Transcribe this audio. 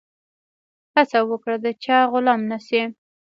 هڅه وکړه د چا غلام نه سي.